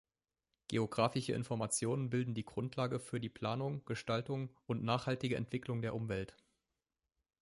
Geographische Informationen bilden die Grundlage für die Planung, Gestaltung und nachhaltige Entwicklung der Umwelt.